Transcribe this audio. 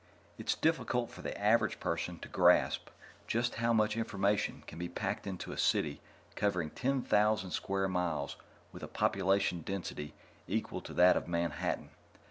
It's difficult for the average person to grasp just how much information can be packed into a city covering ten thousand square miles with a population density equal to that of Manhattan.